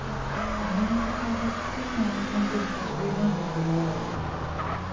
個展は私自身はほんとに久しぶりなんですけど。